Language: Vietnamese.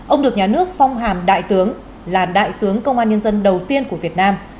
ông được nhà nước phong hàm đại tướng là đại tướng công an nhân dân đầu tiên của việt nam